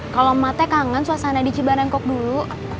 kalau matanya kangen suasana di cibarangkok dulu